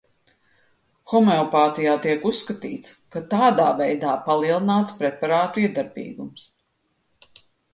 Homeopātijā tiek uzskatīts, ka tādā veidā palielināts preparātu iedarbīgums.